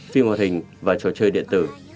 phim hòa hình và trò chơi điện tử